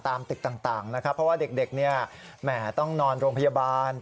ตึกต่างนะครับเพราะว่าเด็กเนี่ยแหมต้องนอนโรงพยาบาล